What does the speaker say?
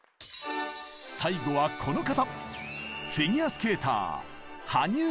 最後はこの方！